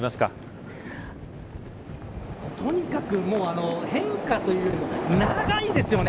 とにかく、変化というよりも長いですよね。